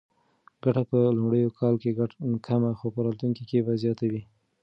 ګټه به په لومړي کال کې کمه خو په راتلونکي کې به زیاته وي.